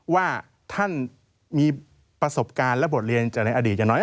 ว่าท่านมีประสบการณ์และบทเรียนจากในอดีตอย่างน้อย